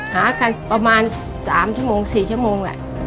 หากันประมาณ๓ชั่วโมง๔ชั่วโมง